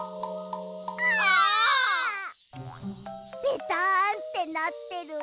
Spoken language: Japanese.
ベタンってなってる！